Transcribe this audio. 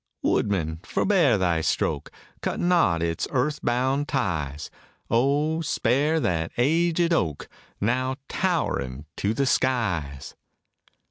Woodman, forebear thy stroke! Cut not its earth bound ties; Oh, spare that aged oak, Now towering to the skies!